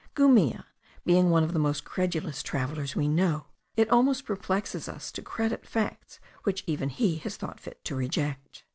Gumilla being one of the most credulous travellers we know, it almost perplexes us to credit facts which even he has thought fit to reject.